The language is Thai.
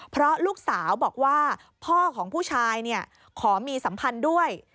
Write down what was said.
เพราะลูกสาวบอกว่าพ่อของผู้ชายขอมีสัมพันธ์ด้วย